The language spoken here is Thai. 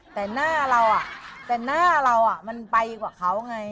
แต่หน้าเราอ่ะมันไปกว่าเขาไง